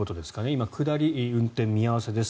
今、下り、運転見合わせです。